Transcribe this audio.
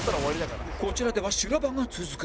こちらでは修羅場が続く